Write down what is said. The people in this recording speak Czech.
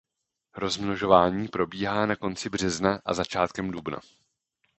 Rozmnožování probíhá na konci března a začátkem dubna.